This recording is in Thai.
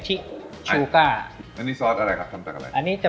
อ๋อต้องคลุกเข้ากับซอสตร์ตัวนี้แล้วก็เครื่องอันสารตรงนี้ให้มา